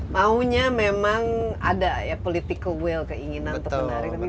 maunya memang ada ya political will keinginan untuk menarik